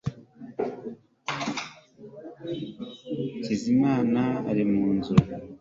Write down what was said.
hakizimana ari mu nzu